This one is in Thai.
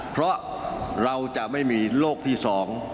เพราะเราจะไม่มีโรคที่สอง